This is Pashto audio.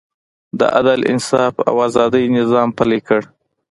د عدل، انصاف او ازادۍ نظام پلی کړ.